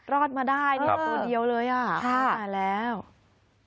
รอดมาได้นี่ตัวเดียวเลย